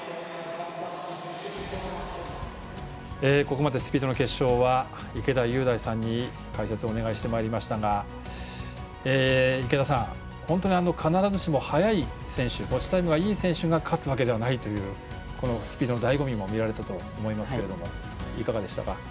ここまでスピードの決勝は池田雄大さんに解説をお願いしてまいりましたが池田さん、本当に必ずしも速い選手が勝つわけではないというスピードのだいご味も見られたと思いますがいかがでしたか？